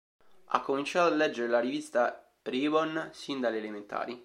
Ha cominciato a leggere la rivista Ribon sin dalle elementari.